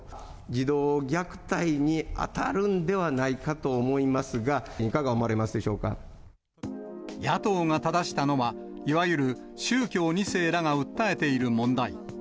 児童虐待に当たるんではないかと思いますが、いかが思われますで野党がただしたのは、いわゆる宗教２世らが訴えている問題。